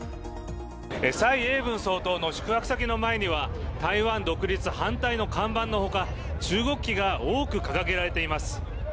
蔡英文総統の宿泊先の前には台湾独立反対の看板のほか中国旗が多く掲げられています。